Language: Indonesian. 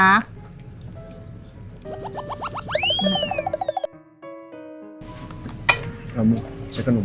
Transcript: kamu makan dulu